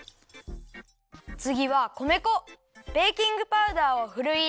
つぎは米粉ベーキングパウダーをふるいいれて。